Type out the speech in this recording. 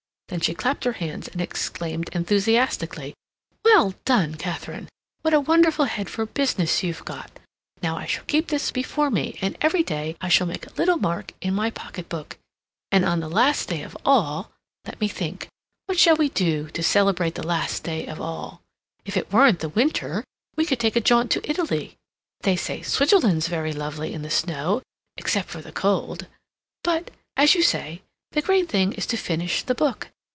Then she clapped her hands and exclaimed enthusiastically: "Well done, Katharine! What a wonderful head for business you've got! Now I shall keep this before me, and every day I shall make a little mark in my pocketbook, and on the last day of all—let me think, what shall we do to celebrate the last day of all? If it weren't the winter we could take a jaunt to Italy. They say Switzerland's very lovely in the snow, except for the cold. But, as you say, the great thing is to finish the book.